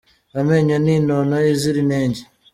Amenyo ni inono izira inenge